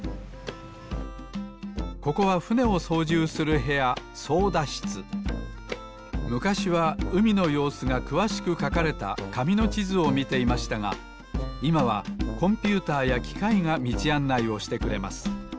ここはふねをそうじゅうするへやむかしはうみのようすがくわしくかかれたかみのちずをみていましたがいまはコンピューターやきかいがみちあんないをしてくれます。